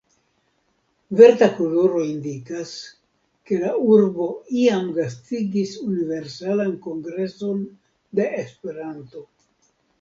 Verda koloro indikas, ke la urbo iam gastigis Universalan Kongreson de Esperanto.